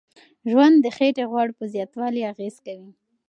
ژوند د خېټې غوړ په زیاتوالي اغیز کوي.